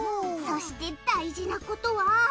そして大事なことは。